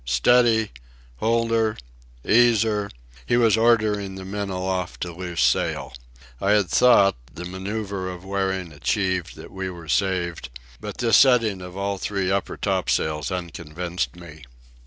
Steady! Hold her! Ease her!" he was ordering the men aloft to loose sail. I had thought, the manoeuvre of wearing achieved, that we were saved, but this setting of all three upper topsails unconvinced me.